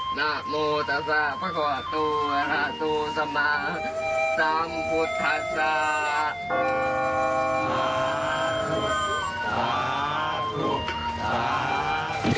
หาตูสมัครจำพุทธศาสตร์